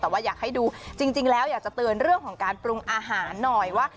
แต่ว่าอยากให้ดูจริงแล้วอยากจะเตือนเรื่องของการปรุงอาหารหน่อยว่า